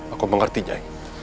aku mengerti nyai